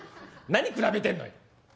何比べてんのよ」。